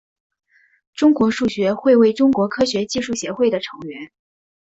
中国数学会为中国科学技术协会的成员。